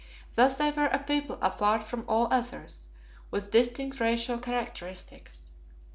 Thus they were a people apart from all others, with distinct racial characteristics.